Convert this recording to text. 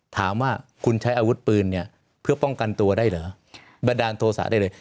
ถามว่าคุณใช้อาวุธปืนเนี่ยเพื่อป้องกันตัวได้เหรอบันดาลโทษะได้เลย